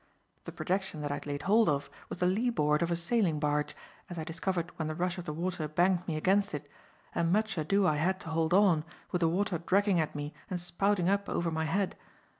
The projection that I had laid hold of was the lee board of a sailing barge, as I discovered when the rush of the water banged me against it; and much ado I had to hold on, with the water dragging at me and spouting up over my head.